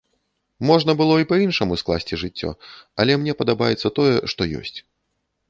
Можна было і па-іншаму скласці жыццё, але мне падабаецца тое, што ёсць.